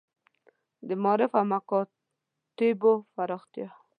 د معارف او مکاتیبو پراختیا.